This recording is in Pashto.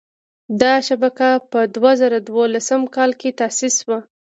دا شبکه په دوه زره دولسم کال کې تاسیس شوه.